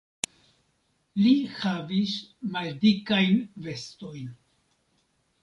Li havis maldikajn vestojn.